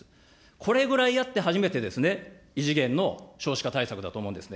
これぐらいやって初めて、異次元の少子化対策だと思うんですね。